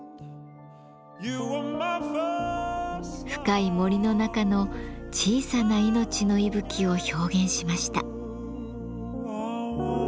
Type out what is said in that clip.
深い森の中の小さな命の息吹を表現しました。